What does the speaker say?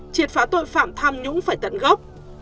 triệt phá tội phạm tham nhũng phải tận gốc